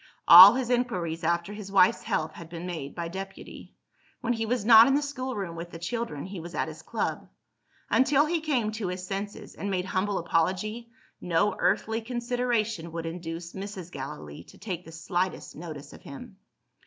All his inquiries after his wife's health had been made by deputy. When he was not in the schoolroom with the children, he was at his club. Until he came to his senses, and made humble apology, no earthly consideration would induce Mrs. Gallilee to take the slightest notice of him.